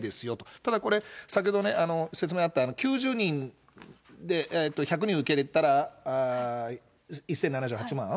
ただこれ、先ほどね、説明あった９０人、１００人受け入れたら１０７８万円？